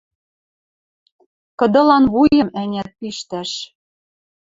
Кыдылан вуйым, ӓнят, пиштӓш».